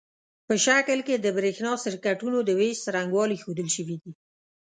په شکل کې د برېښنا سرکټونو د وېش څرنګوالي ښودل شوي دي.